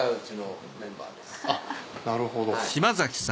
なるほど。